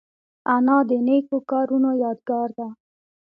انا د نیکو کارونو یادګار ده